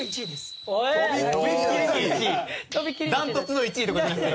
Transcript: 断トツの１位とかじゃなくて。